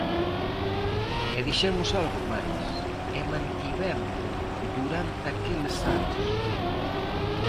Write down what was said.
E dixemos algo máis, e mantivémolo durante aqueles anos.